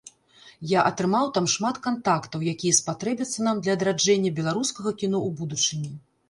Я атрымаў там шмат кантактаў, якія спатрэбяцца нам для адраджэння беларускага кіно ў будучыні.